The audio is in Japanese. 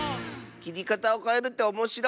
きりかたをかえるっておもしろい！